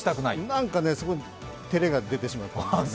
なんかね、そこに照れが出てしまって。